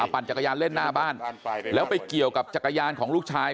ปั่นจักรยานเล่นหน้าบ้านแล้วไปเกี่ยวกับจักรยานของลูกชาย